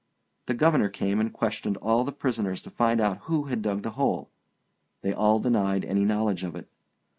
The Governor came and questioned all the prisoners to find out who had dug the hole. They all denied any knowledge of it.